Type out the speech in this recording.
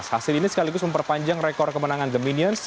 hasil ini sekaligus memperpanjang rekor kemenangan the minions